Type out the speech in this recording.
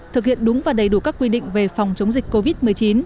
thực hiện đúng và đầy đủ các quy định về phòng chống dịch covid một mươi chín